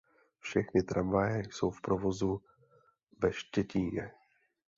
Všechny tramvaje jsou v provozu ve Štětíně.